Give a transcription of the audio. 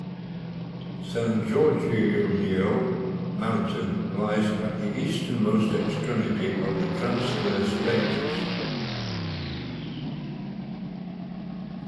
San Gorgonio Mountain lies at the easternmost extremity of the Transverse Ranges.